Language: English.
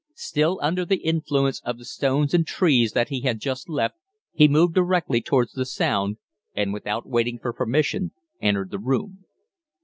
Still under the influence of the stones and trees that he had just left, he moved directly towards the sound, and, without waiting for permission, entered the room.